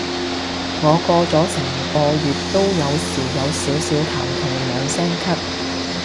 我過咗成個月都有時有少少痰同兩聲咳